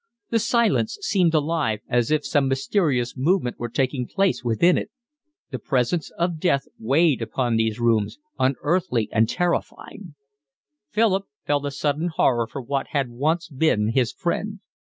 The silence seemed alive, as if some mysterious movement were taking place within it; the presence of death weighed upon these rooms, unearthly and terrifying: Philip felt a sudden horror for what had once been his friend.